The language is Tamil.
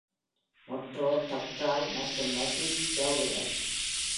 மெட்ரோ, தக்ரால் மற்றும் மஜீத் ஜவுளிகள்.